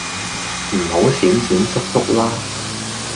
唔好閃閃縮縮啦